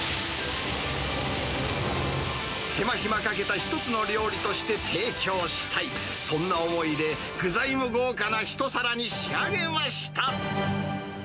手間暇かけた一つの料理として提供したい、そんな思いで、具材も豪華な一皿に仕上げました。